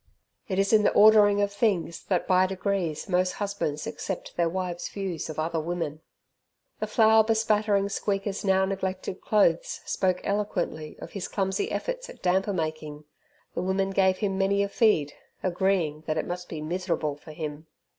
It is in the ordering of things that by degrees most husbands accept their wives' views of other women. The flour bespattering Squeaker's now neglected clothes spoke eloquently of his clumsy efforts at damper making. The women gave him many a feed, agreeing that it must be miserable for him.